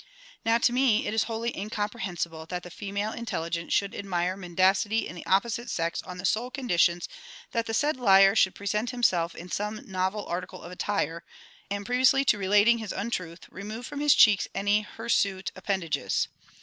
Now to me it is wholly incomprehensible that the female intelligence should admire mendacity in the opposite sex on the sole conditions that the said liar should present himself in some novel article of attire, and, previously to relating his untruth, remove from his cheeks any hirsute appendages.